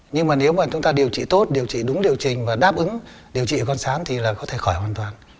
nhưng mà nếu mà chúng ta điều trị tốt điều trị đúng điều trình và đáp ứng điều trị con sán thì là có thể khỏi hoàn toàn